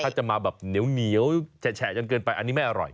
ถ้าจะมาแบบเหนียวแฉะจนเกินไปอันนี้ไม่อร่อย